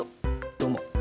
どうも。